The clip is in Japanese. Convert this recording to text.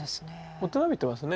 大人びてますね